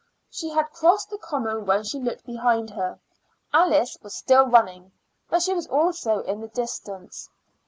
She had crossed the common when she looked behind her; Alice was still running, but she was also in the distance.